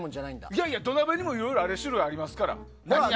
いやいや、土鍋にもいろいろ種類がありますから。